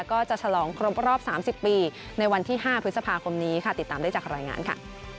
ฉลองครบรอบ๓๐ปีในวันที่๕พฤษภาคมนี้ค่ะติดตามได้จากรายงานค่ะ